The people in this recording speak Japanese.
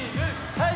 はい！